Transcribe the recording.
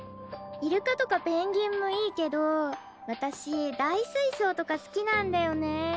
イルカとかペンギンもいいけど私大水槽とか好きなんだよねぇ。